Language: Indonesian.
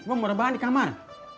gua mau rebahan di kamar